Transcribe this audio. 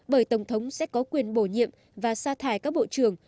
bởi tổng thống sẽ có quyền bổ nhiệm và xa thải các bộ trưởng